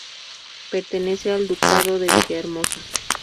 Pertenece al ducado de Villahermosa.